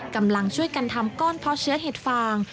กำลังช่วยกันทำก้อนเพาะเชื้อเห็ดฟาง